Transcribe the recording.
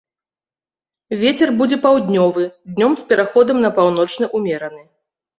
Вецер будзе паўднёвы, днём з пераходам на паўночны ўмераны.